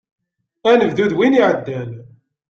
Anebdu d win iɛeddan.